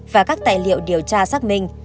và các tài liệu điều tra xác minh